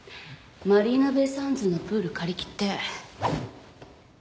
マリーナベイサンズのプール借りきって。